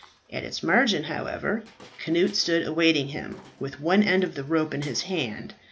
At its margin, however, Cnut stood awaiting him, with one end of the rope in his hand.